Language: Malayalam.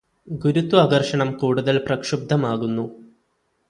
ഗുരുത്വാകര്ഷണം കൂടുതല് പ്രക്ഷുബ്ദമാകുന്നു